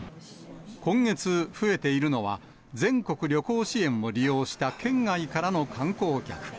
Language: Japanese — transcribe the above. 今月増えているのは、全国旅行支援を利用した県外からの観光客。